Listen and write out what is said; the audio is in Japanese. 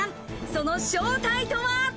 その正体とは？